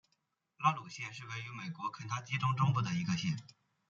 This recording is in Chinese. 拉鲁县是位于美国肯塔基州中部的一个县。